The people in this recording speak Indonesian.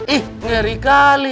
eh beri kali